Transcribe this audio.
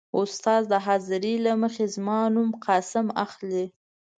. استاد د حاضرۍ له مخې زما نوم «قاسم» اخلي.